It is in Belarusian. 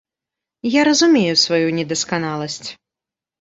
Я разумею сваю недасканаласць.